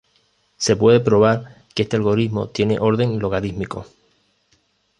Se puede probar que este algoritmo tiene orden logarítmico.